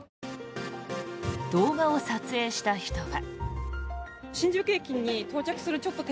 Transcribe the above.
動画を撮影した人は。